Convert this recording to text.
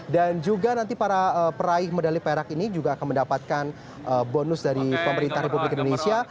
dan juga nanti para peraih medali perak ini juga akan mendapatkan bonus dari pemerintah republik indonesia